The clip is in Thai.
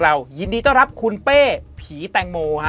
เรายินดีต้อนคุณแป้โกน